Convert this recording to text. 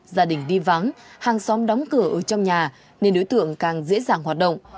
gia đình đi vắng hàng xóm đóng cửa ở trong nhà nên đối tượng càng dễ dàng hoạt động